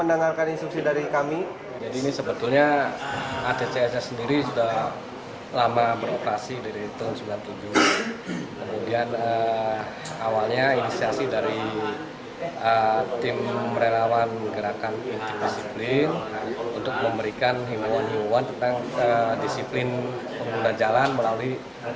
disiplin pengguna jalan melalui rtss kita ini